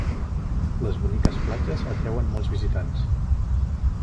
Les boniques platges atreuen molts visitants.